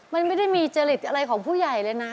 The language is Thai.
มันไม่ได้มีจริตอะไรของผู้ใหญ่เลยนะ